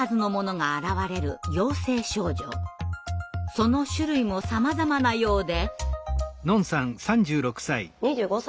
その種類もさまざまなようで。